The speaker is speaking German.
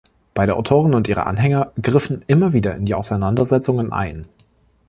Beide Autoren und ihre Anhänger griffen immer wieder in die Auseinandersetzungen ein.